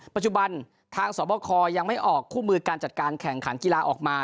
๑ปัจจุบันทางสมคมยังไม่ออกคู่มือการจัดการแข่งขาดฟุตบอลออกมา